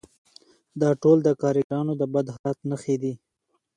دا ټول د کارګرانو د بد حالت نښې دي